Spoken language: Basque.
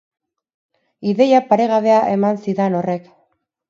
Ideia paregabea eman zidan horrek.